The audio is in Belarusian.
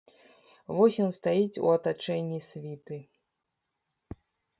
Вось ён стаіць у атачэнні світы.